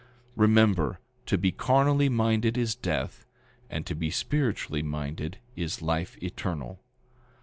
Remember, to be carnally minded is death, and to be spiritually minded is life eternal.